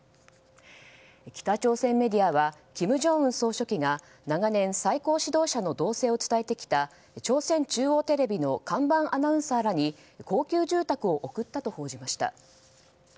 北朝鮮メディアは金正恩総書記が長年、最高指導者の動静を伝えてきた朝鮮中央テレビの看板アナウンサーらに高級住宅を贈ったと報じました。